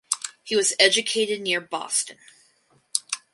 He was educated near Boston.